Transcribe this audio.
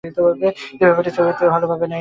কিন্তু ব্যাপারটি সোভিয়েত সরকার ভালভাবে নেয় নি।